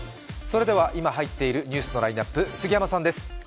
今、入っているニュースのラインナップ杉山さんです。